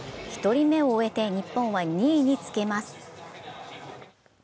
１人目を終えて、日本は２位につけます。